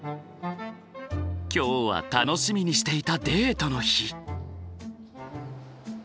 今日は楽しみにしていたデートの日。